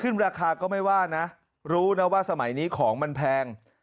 ราคาก็ไม่ว่านะรู้นะว่าสมัยนี้ของมันแพง